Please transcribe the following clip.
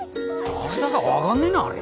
誰だか分かんねえなあれ。